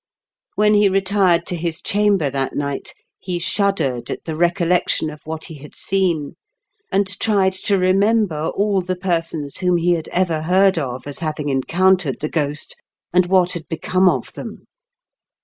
When he retired to his chamber that night, he shuddered at the recollection of what he had seen, and tried to remember all the persons whom he had ev6r heard of as having en countered the ghost, and what had become of them.